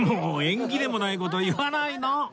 縁起でもない事言わないの！